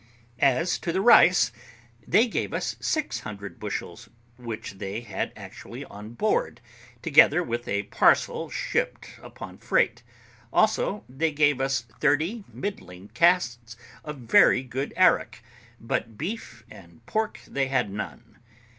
As to the rice, they gave us six hundred bushels, which they had actually on board, together with a parcel shipped upon freight. Also, they gave us thirty middling casks of very good arrack, but beef and pork they had none.